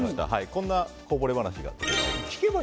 こんなこぼれ話が。